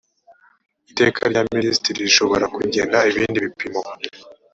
iteka rya minisitiri rishobora kugena ibindi bipimo